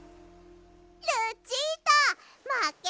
ルチータまけ。